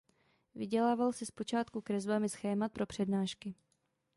Vydělával si zpočátku kresbami schémat pro přednášky.